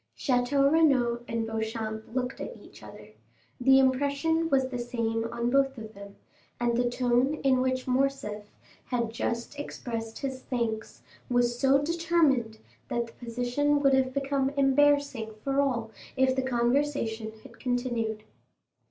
Château Renaud and Beauchamp looked at each other; the impression was the same on both of them, and the tone in which Morcerf had just expressed his thanks was so determined that the position would have become embarrassing for all if the conversation had continued.